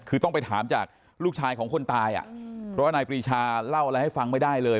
คือต้องไปถามจากลูกชายของคนตายอ่ะเพราะว่านายปรีชาเล่าอะไรให้ฟังไม่ได้เลย